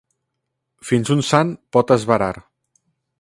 Fins un sant pot esvarar.